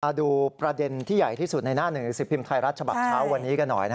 ดูประเด็นที่ใหญ่ที่สุดในหน้าหนึ่งสิบพิมพ์ไทยรัฐฉบับเช้าวันนี้กันหน่อย